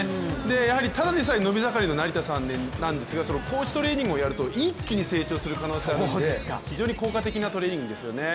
やはりただでさえ伸び盛りの成田さんなので高地トレーニングをやると一気に成長する可能性があるんで非常に効果的なトレーニングですよね。